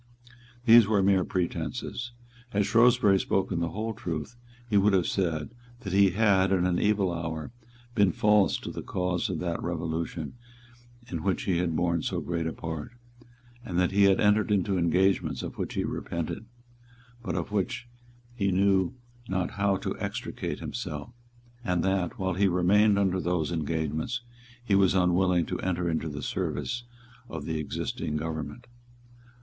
These were mere pretences. Had Shrewsbury spoken the whole truth, he would have said that he had, in an evil hour, been false to the cause of that Revolution in which he had borne so great a part, that he had entered into engagements of which he repented, but from which he knew not how to extricate himself, and that, while he remained under those engagements, he was unwilling to enter into the service of the existing government.